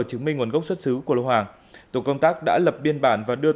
chứng minh nguồn gốc xuất xứ của lô hàng tổ công tác đã lập biên bản và đưa